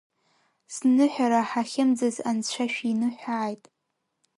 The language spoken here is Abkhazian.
Зныҳәара ҳахьымӡаз Анцәа шәиныҳәааит!